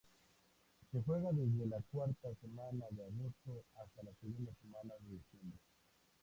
Se juega desde la cuarta semana de agosto hasta la segunda semana de diciembre.